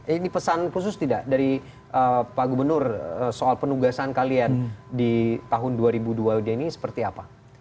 ini pesan khusus tidak dari pak gubernur soal penugasan kalian di tahun dua ribu dua puluh dua ini seperti apa